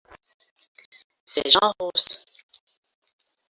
C'est Jean Rousse.